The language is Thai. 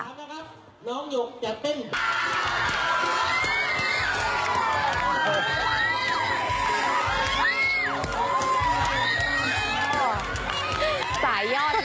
โว๊คทุ่มน้องหยกจะเป็น